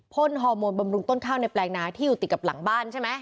่นฮอร์โมนบำรุงต้นข้าวในแปลงนาที่อยู่ติดกับหลังบ้านใช่ไหม